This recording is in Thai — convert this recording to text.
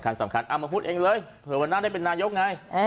สำคัญสำคัญสำคัญเอามาพูดเองเลยเผื่อวันหน้าได้เป็นนายกไง